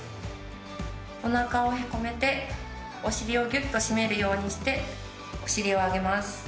おなかをへこめてお尻をぎゅっと締めるようにしてお尻を上げます。